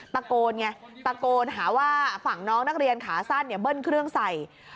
ตะโกนไงตะโกนหาว่าฝั่งน้องนักเรียนขาสั้นเนี่ยเบิ้ลเครื่องใส่